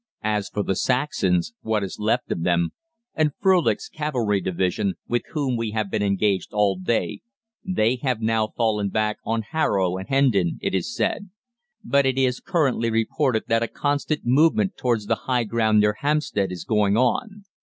As for the Saxons what is left of them and Frölich's Cavalry Division, with whom we have been engaged all day, they have now fallen back on Harrow and Hendon, it is said; but it is currently reported that a constant movement towards the high ground near Hampstead is going on.